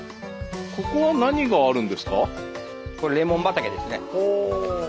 ここは何があるんですか？